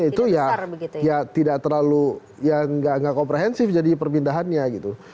itu ya tidak terlalu ya nggak komprehensif jadi perpindahannya gitu